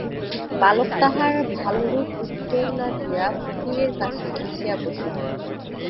বালক তাহার ভালোরূপ উত্তর না দিয়া ফকিরের কাছে ঘেঁষিয়া বসিল।